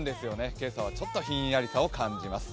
今朝はちょっとひんやりさを感じます。